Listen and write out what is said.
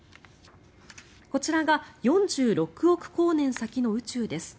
こちらが４６億光年先の宇宙です。